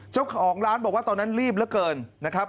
เจ้าของร้านบอกว่าตอนนั้นรีบเหลือเกินนะครับ